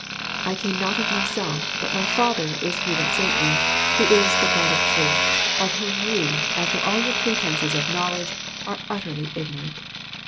I came not of myself, but my Father is He , that sent me, who is the God of truth ; of whom ye, afber all your pretences of knowledge, are utterly ignorant.